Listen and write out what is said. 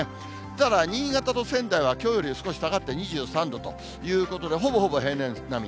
ただ、新潟と仙台はきょうより少し下がって２３度ということで、ほぼほぼ平年並み。